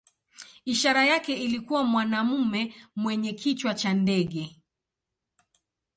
Ishara yake ilikuwa mwanamume mwenye kichwa cha ndege.